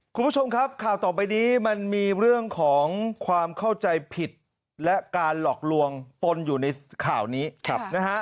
คุณผู้ชมครับข่าวต่อไปนี้มันมีเรื่องของความเข้าใจผิดและการหลอกลวงปนอยู่ในข่าวนี้นะฮะ